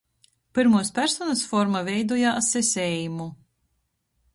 Pyrmuos personys forma veidojās es eimu,